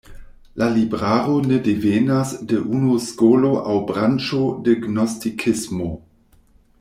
La libraro ne devenas de unu skolo aŭ branĉo de gnostikismo.